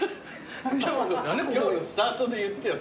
今日のスタートで言ってよ